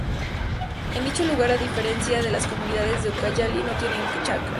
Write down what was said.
En dicho lugar a diferencia de las comunidades de Ucayali no tienen chacras.